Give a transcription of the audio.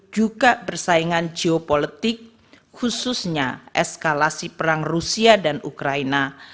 juga persaingan geopolitik khususnya eskalasi perang rusia dan ukraina